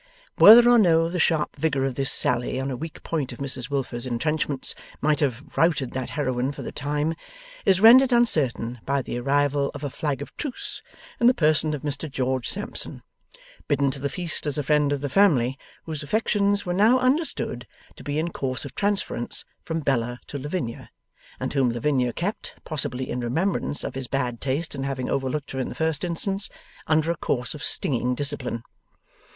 Whether or no the sharp vigour of this sally on a weak point of Mrs Wilfer's entrenchments might have routed that heroine for the time, is rendered uncertain by the arrival of a flag of truce in the person of Mr George Sampson: bidden to the feast as a friend of the family, whose affections were now understood to be in course of transference from Bella to Lavinia, and whom Lavinia kept possibly in remembrance of his bad taste in having overlooked her in the first instance under a course of stinging discipline.